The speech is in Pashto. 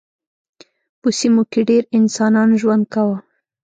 په سیمو کې ډېر انسانان ژوند کاوه.